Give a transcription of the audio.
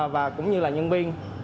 và cũng như là nhân viên